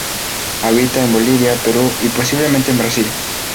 Habita en Bolivia, Perú y posiblemente en Brasil.